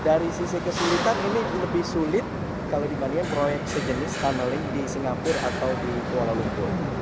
dari sisi kesulitan ini lebih sulit kalau dibandingkan proyek sejenis tunneling di singapura atau di kuala lumpur